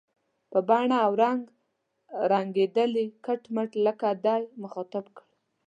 په بڼه او رنګ رنګېدلی، کټ مټ لکه دی، مخاطب کړ.